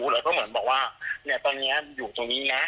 แล้วก็เหมือนบอกว่าตอนนี้อยู่ตรงนี้นะ